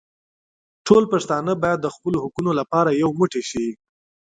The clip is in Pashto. ټول پښتانه بايد د خپلو حقونو لپاره يو موټي شي.